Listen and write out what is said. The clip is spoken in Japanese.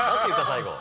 最後。